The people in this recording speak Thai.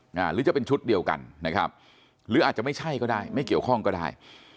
หรือจะเป็นชุดเดียวกันนะครับหรืออาจจะไม่ใช่ก็ได้ไม่เกี่ยวข้องก็ได้